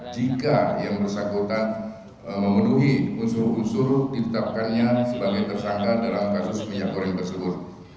jika yang bersangkutan memenuhi unsur unsur ditetapkannya sebagai tersangka dalam kasus minyak goreng tersebut